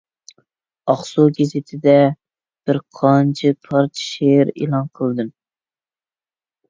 «ئاقسۇ گېزىتى»دە بىرقانچە پارچە شېئىر ئېلان قىلدىم.